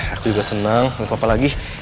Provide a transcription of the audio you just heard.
aku juga seneng apa lagi